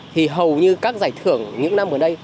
thì hầu như các giải thưởng những năm gần đây